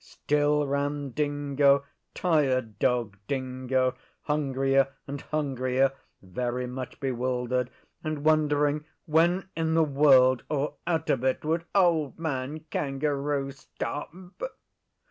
Still ran Dingo Tired Dog Dingo hungrier and hungrier, very much bewildered, and wondering when in the world or out of it would Old Man Kangaroo stop.